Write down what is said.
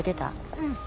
うん。